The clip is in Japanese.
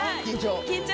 緊張？